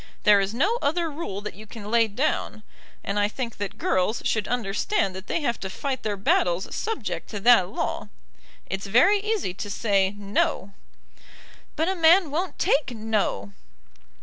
There is no other rule that you can lay down, and I think that girls should understand that they have to fight their battles subject to that law. It's very easy to say, 'No.'" "But a man won't take 'No.'"